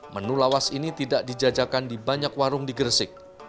menu lawas ini tidak dijajakan di banyak warung di gersik